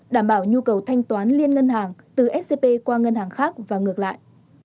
đảm bảo nhu cầu thanh toán liên ngân hàng từ scb qua ngân hàng khác và ngược lại